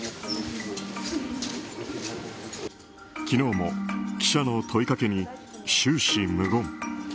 昨日も記者の問いかけに終始無言。